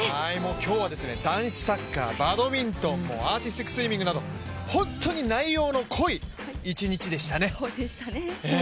今日は男子サッカー、バドミントン、アーティスティックスイミングなど本当に内容の濃い一日でしたね。